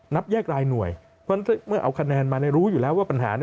นับแยกรายหน่วยเมื่อเอาคะแนนมารู้อยู่แล้วว่าปัญหานั้น